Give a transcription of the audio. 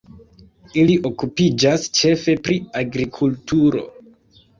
Ili okupiĝas ĉefe pri agrikulturo.